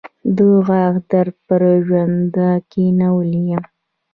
د غاښ درد پر ژرنده کېنولی يم.